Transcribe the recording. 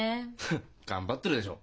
フッ頑張ってるでしょ。